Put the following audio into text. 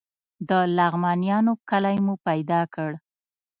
د لغمانیانو کلی مو پیدا کړ.